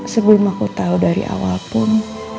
sebelum aku tahu dari awal pun